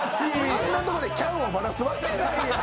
あんなとこでキャンをバラすわけないやん。